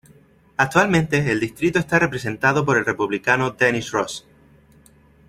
Actualmente el distrito está representado por el Republicano Dennis Ross.